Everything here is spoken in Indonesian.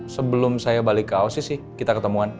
sebelum saya balik ke osis sih kita ketemuan